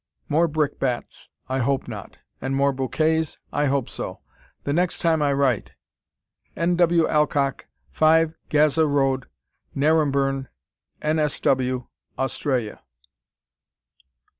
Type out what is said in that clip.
More brickbats I hope not! and more bouquets I hope so! the next time I write. N.W. Alcock, 5 Gaza Rd., Naremburn, N.S.W., Australia.